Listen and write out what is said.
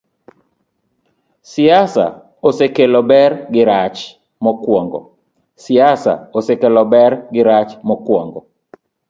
Siasa osekelo ber gi rach: Mokwongo,